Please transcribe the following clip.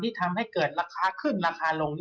ทำให้เกิดราคาขึ้นราคาลง